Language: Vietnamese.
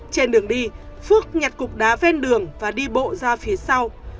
trên đường đi phước nhặt cục đá ven đường và đi bộ ra phía sau